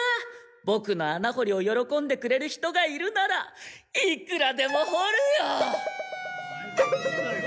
ボクのあなほりをよろこんでくれる人がいるならいくらでもほるよ！